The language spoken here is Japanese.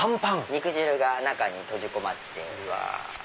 肉汁が中に閉じ込まって。